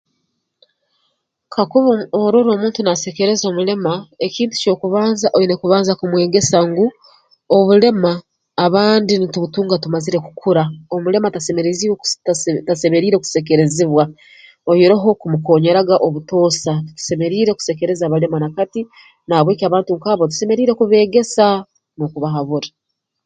Kakuba orora omuntu naasekeereza omulema ekintu ky'okubanza oine kubanza kumwegesa ngu obulema abandi nitubutunga tumazire kukura omulema tasemereziibwe ta tasemeriire kusekeerezibwa oihireho kumukoonyeraga obutoosa tikisemeriire kusekereza balema nakati na habw'ekyo abantu nk'abo tusemeriire kubeegesa n'okubahabura